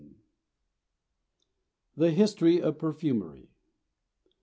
THE HISTORY OF PERFUMERY.